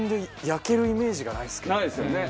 ないですよね。